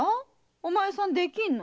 お前さんできんの？